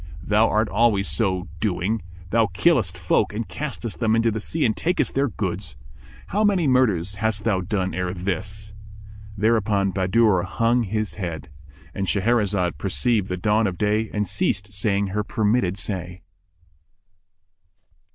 Thou art always so doing; thou killest folk and castest them into the sea and takest their goods. How many murders hast thou done ere this?" Thereupon Bahadur hung his head.—And Shahrazad perceived the dawn of day and ceased saying her permitted say.